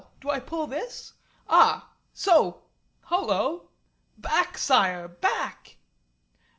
Do I pull this? Ah! So! Hullo!" "Back, Sire! Back!"